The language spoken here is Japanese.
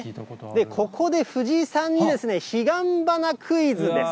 ここで藤井さんに彼岸花クイズです。